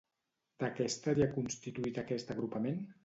De què estaria constituït aquest agrupament?